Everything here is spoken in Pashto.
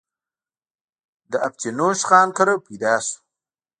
د افتينوش خان کره پيدا شو